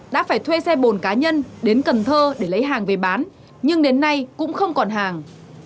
đã phải thuê xe bồn cá nhân đến cần thơ để lấy hàng về bán nhưng đến nay cũng không còn hàng